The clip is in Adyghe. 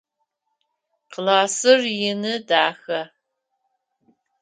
Классыр ины, дахэ.